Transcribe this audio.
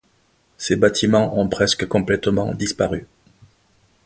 Ses bâtiments ont presque complètement disparu.